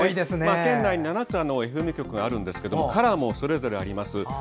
県内７つＦＭ局があるんですがカラーもそれぞれあります。